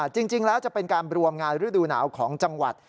จริงแล้วจะเป็นการรวมงานฤดูหนาวของจังหวัด